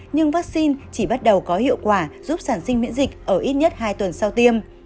nhưng vaccine chỉ bắt đầu có hiệu quả giúp sản sinh miễn dịch ở ít nhất hai tuần sau tiêm